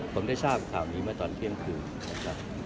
ผมได้ทราบข่าวนี้เมื่อตอนเที่ยงคืนนะครับ